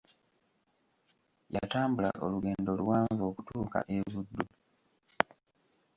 Yatambula olugendo luwanvu okutuuka e Buddu.